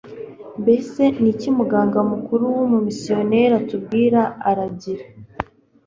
Mbese ni iki Muganga mukuru wUmumisiyoneri atubwira Aragira